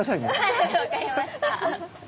はい分かりました。